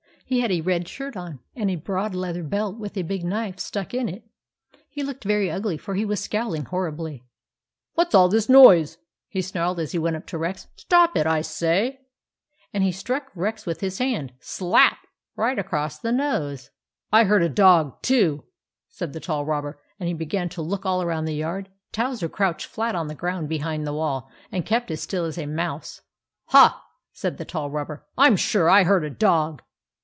He had a red shirt on, and a broad leather belt with a big knife stuck in it. He looked very ugly, for he was scowl ing horribly. " What 's all this noise ?" he snarled as he went up to Rex. " Stop it, I say !" And he struck Rex with his hand — slap ! right across the nose. " I heard a dog, too," said the tall robber ; and he began to look all around the yard. Towser crouched flat on the ground behind the wall, and kept as still as a mouse. " Huh I " said the tall robber. " I m sure I heard a dog."